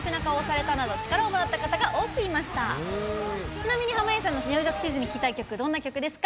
ちなみに濱家さんの入学シーズンに聴きたい曲どんな曲ですか？